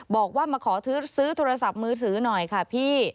บอกว่ามาขอซื้อโทรศัพท์มือถือหน่อยค่ะพี่